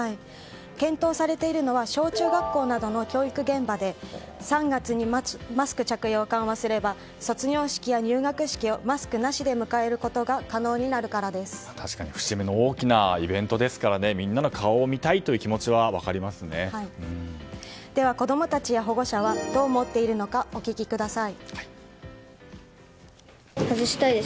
検討されているのは小中学校などの教育現場で３月にマスク着用を緩和すれば卒業式や入学式をマスクなしで迎えることが確かに節目の大きなイベントですからみんなの顔を見たいという子供たちや保護者はどう思っているのかお聞きください。